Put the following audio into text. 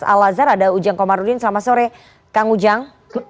al azhar ada ujang komarudin selamat sore kang ujang